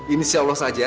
insya allah saja